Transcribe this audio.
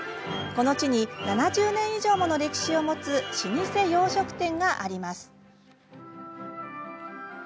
この地に、７０年以上もの歴史を持つ老舗洋食店があります。